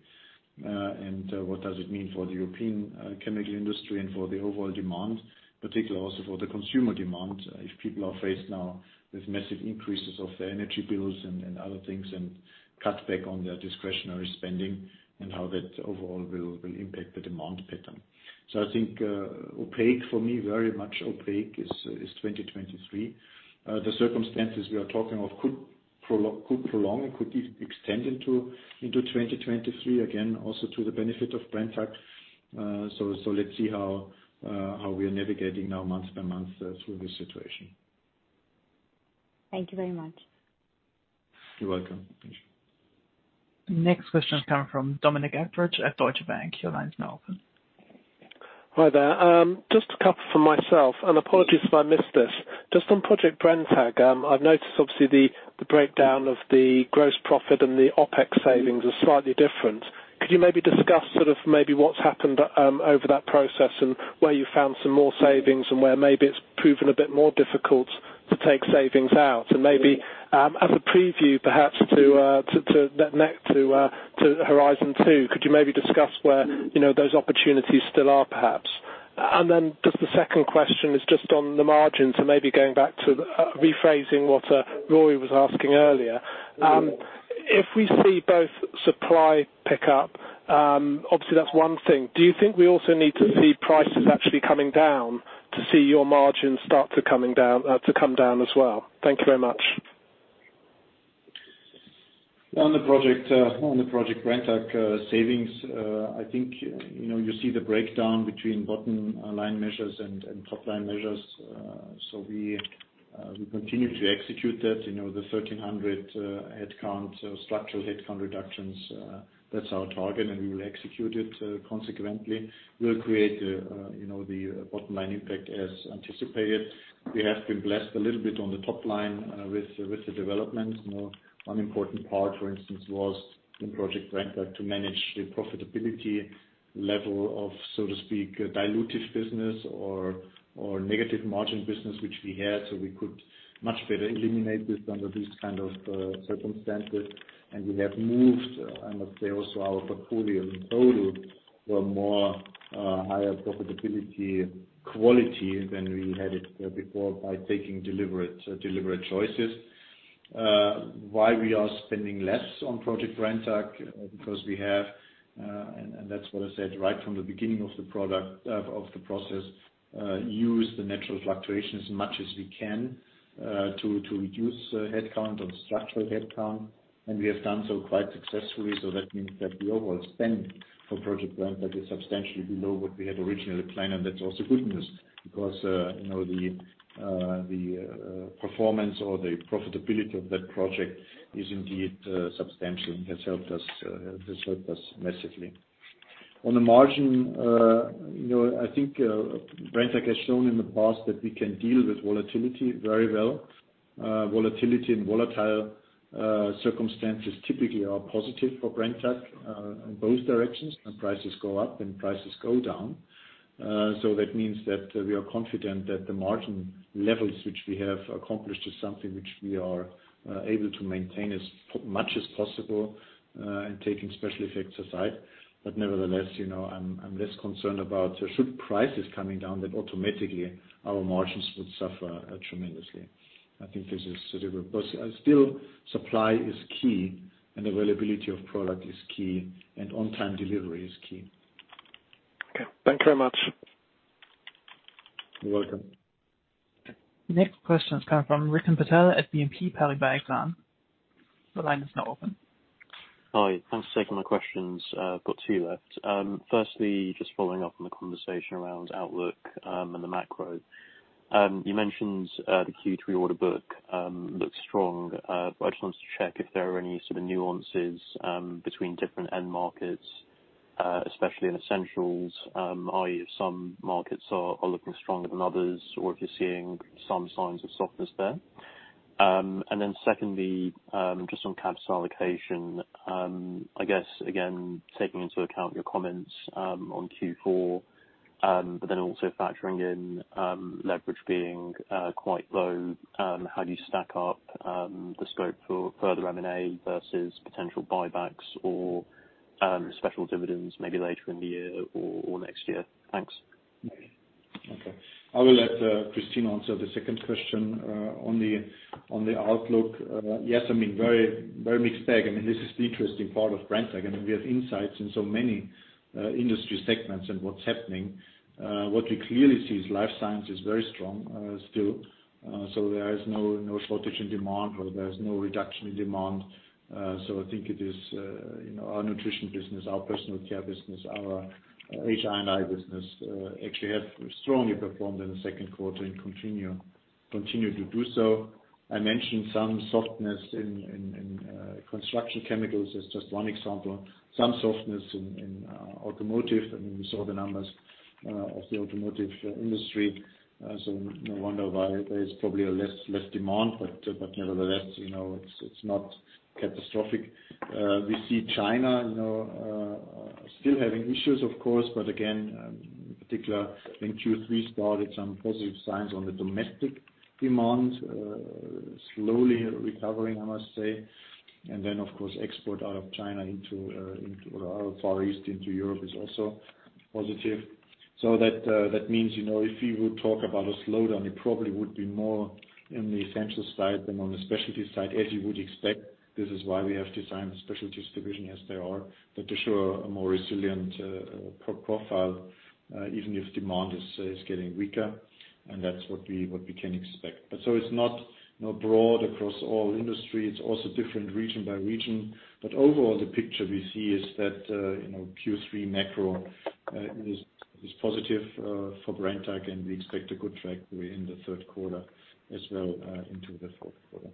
And what does it mean for the European chemical industry and for the overall demand, particularly also for the consumer demand, if people are faced now with massive increases of their energy bills and other things and cut back on their discretionary spending and how that overall will impact the demand pattern. I think, opaque for me, very much opaque is 2023. The circumstances we are talking of could prolong, could extend into 2023, again, also to the benefit of Brenntag. Let's see how we are navigating now month by month through this situation. Thank you very much. You're welcome. Thank you. Next question is coming from Dominic Edridge at Deutsche Bank. Your line is now open. Hi there. Just a couple from myself, and apologies if I missed this. Just on Project Brenntag, I've noticed obviously the breakdown of the gross profit and the OpEx savings are slightly different. Could you maybe discuss sort of maybe what's happened over that process and where you found some more savings and where maybe it's proven a bit more difficult to take savings out? Maybe, as a preview, perhaps to Horizon 2, could you maybe discuss where, you know, those opportunities still are, perhaps? Then just the second question is just on the margins and maybe going back to rephrasing what Rory was asking earlier. If we see both supply pick up, obviously, that's one thing. Do you think we also need to see prices actually coming down to see your margins start to come down as well? Thank you very much. On the Project Brenntag savings, I think, you know, you see the breakdown between bottom line measures and top line measures. We continue to execute that, you know, the 1,300 structural headcount reductions. That's our target, and we will execute it consequently. We'll create, you know, the bottom line impact as anticipated. We have been blessed a little bit on the top line with the developments. You know, one important part, for instance, was in Project Brenntag to manage the profitability level of, so to speak, dilutive business or negative margin business which we had, so we could much better eliminate this under this kind of circumstances. We have moved, I must say also our portfolio in total for more, higher profitability quality than we had it, before by taking deliberate choices. Why we are spending less on Project Brenntag, because we have, and that's what I said, right from the beginning of the process, use the natural fluctuations as much as we can, to reduce headcount on structural headcount. We have done so quite successfully. That means that the overall spend for Project Brenntag is substantially below what we had originally planned. That's also good news because, you know, the performance or the profitability of that project is indeed substantial and has helped us massively. On the margin, you know, I think, Brenntag has shown in the past that we can deal with volatility very well. Volatility and volatile circumstances typically are positive for Brenntag, in both directions when prices go up and prices go down. That means that we are confident that the margin levels which we have accomplished is something which we are able to maintain as much as possible, and taking special items aside. Nevertheless, you know, I'm less concerned about should prices coming down that automatically our margins would suffer tremendously. I think this is deliverable. Still supply is key and availability of product is key and on-time delivery is key. Okay. Thank you very much. You're welcome. Next question is coming from Rikin Patel at BNP Paribas Exane. The line is now open. Hi. Thanks for taking my questions. I've got two left. Firstly, just following up on the conversation around outlook and the macro. You mentioned the Q3 order book looks strong. I just wanted to check if there are any sort of nuances between different end markets, especially in essentials, i.e., if some markets are looking stronger than others or if you're seeing some signs of softness there. Secondly, just on capital allocation, I guess, again, taking into account your comments on Q4, but then also factoring in leverage being quite low, how do you stack up the scope for further M&A versus potential buybacks or special dividends maybe later in the year or next year? Thanks. Okay. I will let Kristin answer the second question. On the outlook, yes, I mean, very, very mixed bag. I mean, this is the interesting part of Brenntag. I mean, we have insights in so many industry segments and what's happening. What we clearly see is life science is very strong still. There is no shortage in demand or there is no reduction in demand. I think it is, you know, our nutrition business, our personal care business, our HI&I business actually have strongly performed in the second quarter and continue to do so. I mentioned some softness in construction chemicals as just one example. Some softness in automotive, I mean, we saw the numbers of the automotive industry. No wonder why there is probably less demand. Nevertheless, you know, it's not catastrophic. We see China, you know, still having issues, of course, but again, in particular, I think Q3 spotted some positive signs on the domestic demand. Slowly recovering, I must say. Then of course, export out of China or out of Far East into Europe is also positive. That means, you know, if you would talk about a slowdown, it probably would be more in the essentials side than on the specialty side, as you would expect. This is why we have designed the specialties division as they are, but to show a more resilient profile, even if demand is getting weaker, and that's what we can expect. It's not, you know, broad across all industry. It's also different region by region. Overall, the picture we see is that, you know, Q3 macro is positive for Brenntag, and we expect a good trajectory in the third quarter as well into the fourth quarter.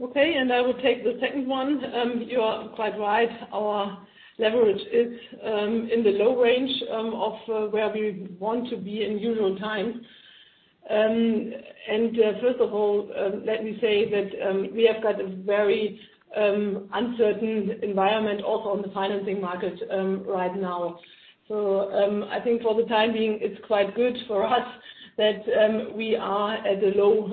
Okay, I will take the second one. You are quite right. Our leverage is in the low range of where we want to be in usual times. First of all, let me say that we have got a very uncertain environment also on the financing market right now. I think for the time being, it's quite good for us that we are at a low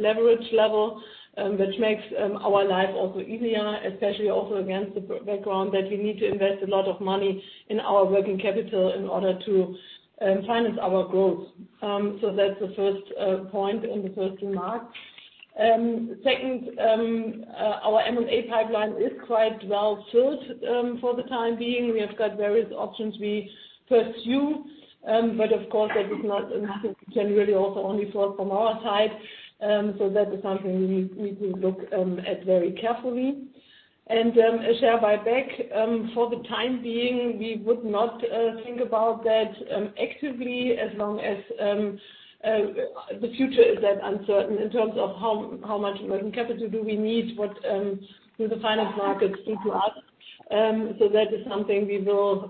leverage level which makes our life also easier, especially also against the background that we need to invest a lot of money in our working capital in order to finance our growth. That's the first point and the first remark. Second, our M&A pipeline is quite well filled for the time being. We have got various options we pursue. Of course that is not generally also only thought from our side. That is something we will look at very carefully. A share buyback, for the time being, we would not think about that actively as long as the future is that uncertain in terms of how much working capital do we need, what do the finance markets do to us. That is something we will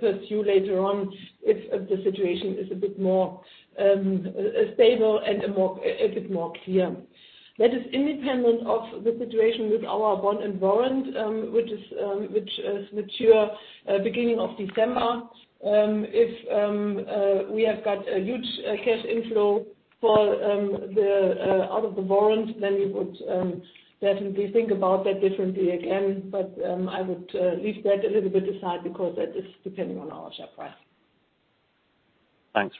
pursue later on if the situation is a bit more stable and a bit more clear. That is independent of the situation with our bond with warrant, which is mature beginning of December. If we have got a huge cash inflow from the warrant, then we would definitely think about that differently again. I would leave that a little bit aside because that is depending on our share price. Thanks.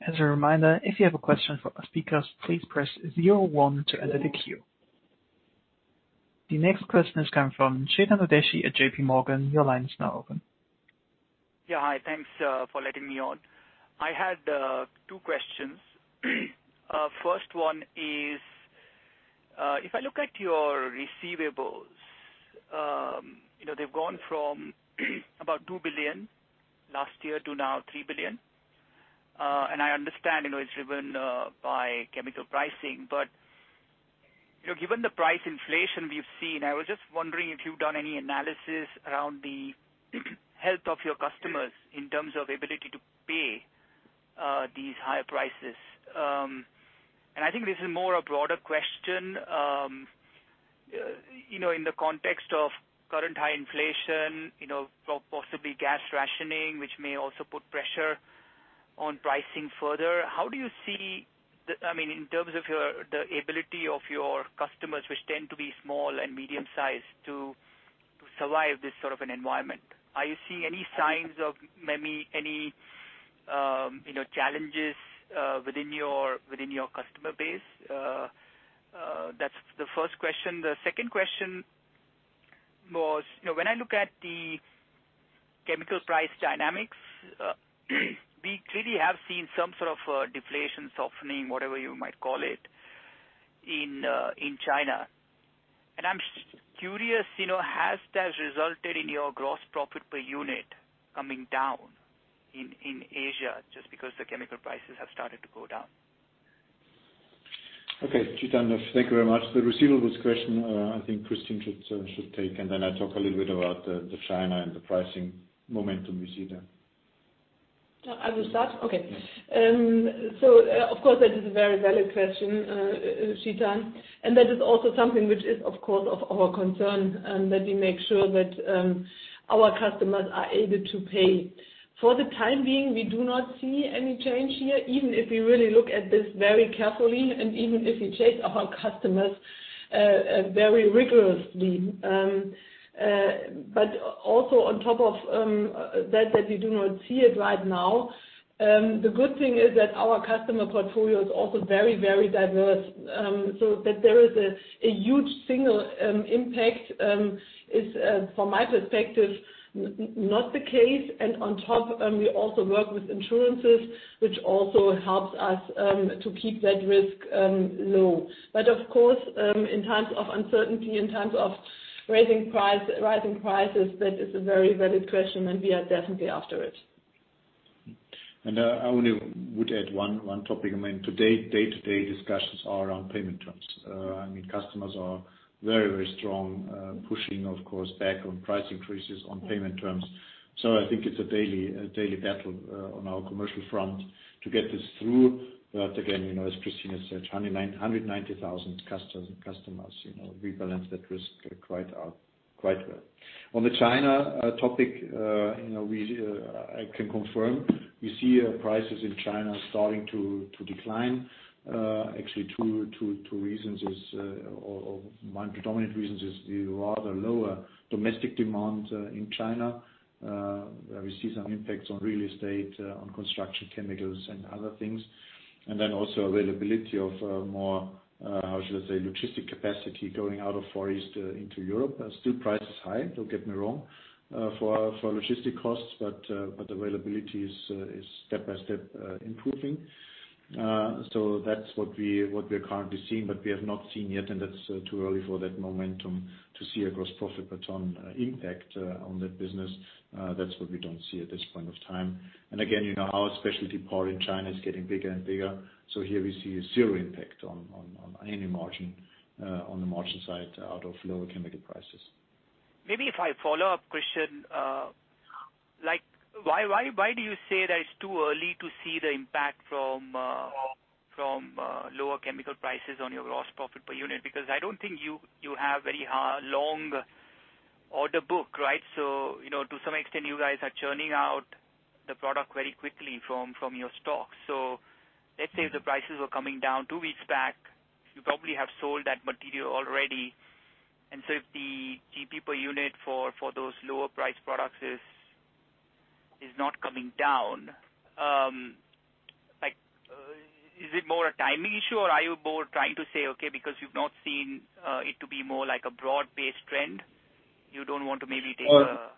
Very helpful. As a reminder, if you have a question for our speakers, please press zero one to enter the queue. The next question is coming from Chetan Udeshi at JPMorgan. Your line is now open. Yeah. Hi. Thanks for letting me on. I had two questions. First one is, if I look at your receivables, you know, they've gone from about 2 billion last year to now 3 billion. I understand, you know, it's driven by chemical pricing. You know, given the price inflation we've seen, I was just wondering if you've done any analysis around the health of your customers in terms of ability to pay these higher prices. I think this is more a broader question. You know, in the context of current high inflation, you know, possibly gas rationing, which may also put pressure on pricing further, how do you see the I mean, in terms of the ability of your customers, which tend to be small and medium-sized, to survive this sort of an environment? Are you seeing any signs of maybe any, you know, challenges within your customer base? That's the first question. The second question was, you know, when I look at the chemical price dynamics, we clearly have seen some sort of a deflation softening, whatever you might call it, in China. I'm curious, you know, has that resulted in your gross profit per unit coming down in Asia just because the chemical prices have started to go down? Okay. Chetan, thank you very much. The receivables question, I think Kristin should take, and then I talk a little bit about the China and the pricing momentum we see there. I will start. Okay. Yes. Of course that is a very valid question, Chetan, and that is also something which is of course of our concern, that we make sure that our customers are able to pay. For the time being, we do not see any change here, even if we really look at this very carefully and even if we chase our customers very rigorously. Also on top of that we do not see it right now, the good thing is that our customer portfolio is also very, very diverse. That there is a huge single impact is from my perspective not the case. On top, we also work with insurances, which also helps us to keep that risk low. Of course, in times of uncertainty, in times of rising prices, that is a very valid question, and we are definitely after it. I only would add one topic. I mean, today, day-to-day discussions are around payment terms. I mean, customers are very strong, pushing, of course, back on price increases on payment terms. I think it's a daily battle on our commercial front to get this through. Again, you know, as Kristin said, 190,000 customers, you know, we balance that risk quite well. On the China topic, you know, I can confirm we see prices in China starting to decline. Actually, two reasons, or one predominant reason is the rather lower domestic demand in China. We see some impacts on real estate, on construction, chemicals and other things. Also availability of more, how should I say, logistics capacity going out of Far East into Europe. Still prices are high, don't get me wrong, for logistics costs, but availability is step by step improving. That's what we are currently seeing, but we have not seen yet, and that's too early for that momentum to see a gross profit per ton impact on that business. That's what we don't see at this point of time. Again, you know, our Specialties part in China is getting bigger and bigger. Here we see a zero impact on any margin, on the margin side out of lower chemical prices. Maybe a follow-up question, like why do you say that it's too early to see the impact from lower chemical prices on your gross profit per unit? Because I don't think you have very long order book, right? You know, to some extent, you guys are churning out the product very quickly from your stock. Let's say if the prices were coming down two weeks back, you probably have sold that material already. If the GP per unit for those lower-priced products is not coming down, like, is it more a timing issue, or are you more trying to say, okay, because you've not seen it to be more like a broad-based trend, you don't want to maybe take a?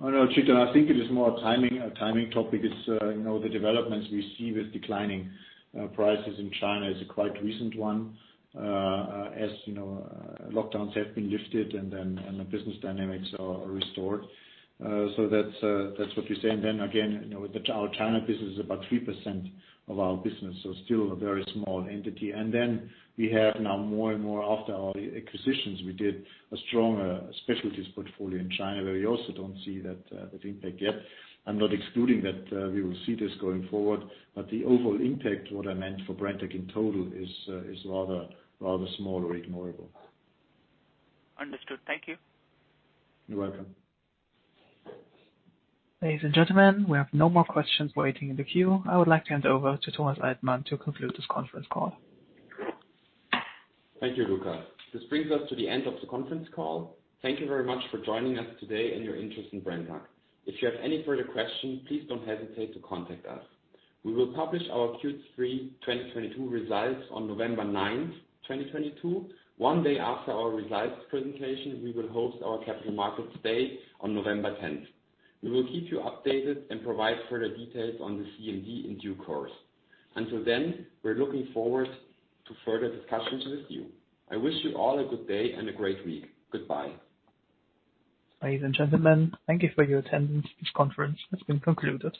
No, Chetan, I think it is more timing, a timing topic. It's you know, the developments we see with declining prices in China is a quite recent one. As you know, lockdowns have been lifted, and the business dynamics are restored. That's what we say. Then again, you know, with our China business is about 3% of our business, so still a very small entity. We have now more and more after all the acquisitions we did, a strong Specialties portfolio in China where we also don't see that impact yet. I'm not excluding that we will see this going forward. The overall impact, what I meant for Brenntag in total is rather small or ignorable. Understood. Thank you. You're welcome. Ladies and gentlemen, we have no more questions waiting in the queue. I would like to hand over to Thomas Altmann to conclude this conference call. Thank you, Lucas. This brings us to the end of the conference call. Thank you very much for joining us today and your interest in Brenntag. If you have any further questions, please don't hesitate to contact us. We will publish our Q3 2022 results on November 9, 2022. One day after our results presentation, we will host our capital markets day on November 10. We will keep you updated and provide further details on the CMD in due course. Until then, we're looking forward to further discussions with you. I wish you all a good day and a great week. Goodbye. Ladies and gentlemen, thank you for your attendance. This conference has been concluded.